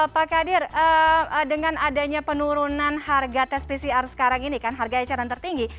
pak kadir dengan adanya penurunan harga tes pcr sekarang ini kan harga eceran tertinggi